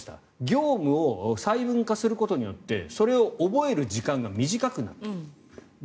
業務を細分化することによってそれを覚える時間が短くなる。